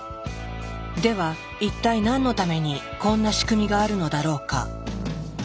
では一体何のためにこんな仕組みがあるのだろうか？